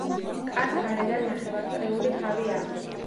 კარს გარედან ნახევარწრიული თავი აქვს.